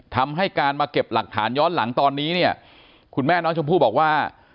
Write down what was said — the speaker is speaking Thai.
ทำให้การมาเก็บหลักฐานย้อนหลังตอนนี้เนี่ยคุณแม่น้องชมพู่บอกว่า